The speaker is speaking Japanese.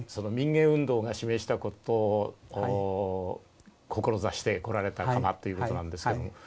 民藝運動が示したことを志してこられたのかなということなんですけれども。